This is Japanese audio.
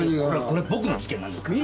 これ僕の事件なんですから。